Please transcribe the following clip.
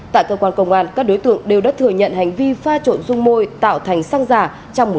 tại cơ quan công an các đối tượng đều đã thừa nhận hành vi pha trộn dung mô